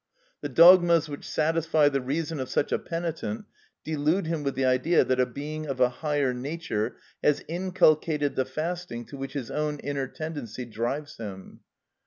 The dogmas which satisfy the reason of such a penitent delude him with the idea that a being of a higher nature has inculcated the fasting to which his own inner tendency drives him.